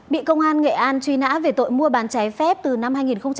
bị công an nghệ an truy nã về tội mua bàn cháy phép từ năm hai nghìn một mươi chín